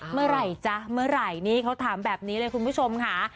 เมื่อไหร่จ๊ะเมื่อไหร่นี่เขาถามแบบนี้เลยคุณผู้ชมค่ะ